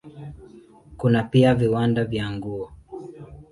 Kuna pia viwanda vya nguo.